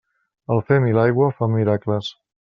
El fem i l'aigua fan miracles.